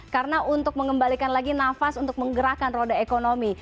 karena untuk mengembalikan lagi nafas untuk menggerakkan roda ekonomi